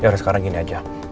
ya udah sekarang gini aja